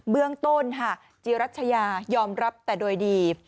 เบื้องต้นค่ะจีรัชยายอมรับแต่โดยดี